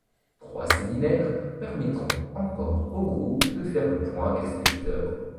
Trois séminaires permettront encore au groupe de faire le point avec ses lecteurs.